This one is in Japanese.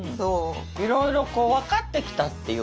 いろいろこう分かってきたっていう感じ。